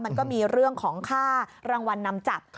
มันก็มีเรื่องของค่ารางวัลนำจับ